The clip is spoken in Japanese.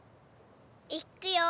いくよ。